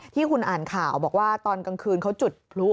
ที่คุณอ่านข่าวบอกว่าตอนกลางคืนเขาจุดพลุ